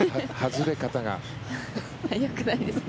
よくないですね。